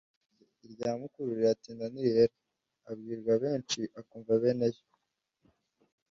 Irya mukuru riratinda ntirihera. Abwirwa benshi akumva beneyo.